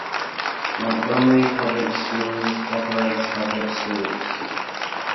Montgomery Public Schools operates public schools.